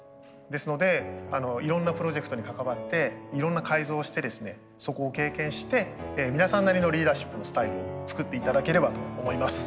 ですのでいろんなプロジェクトに関わっていろんな改造をしてですねそこを経験して皆さんなりのリーダーシップのスタイルを作って頂ければと思います。